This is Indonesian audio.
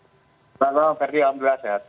sehat bang sehat